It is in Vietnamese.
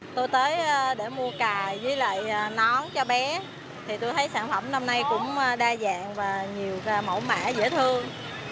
tôi tới để mua cà với lại nón cho bé thì tôi thấy sản phẩm năm nay cũng đa dạng và nhiều mẫu mã dễ thương